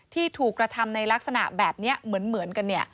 ที่ถูกกระทำในลักษณะแบบนี้เหมือนกัน